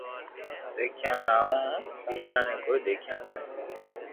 دآکيا ۾ آووہ ھون ٻيجا ني ڪوئي ديکيا ۾